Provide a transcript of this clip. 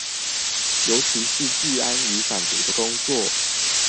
尤其是治安與反毒的工作